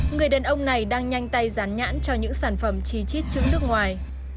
người đàn ông này đang nhanh tay rán nhãn cho những sản phẩm chi chít chữ nước ngoài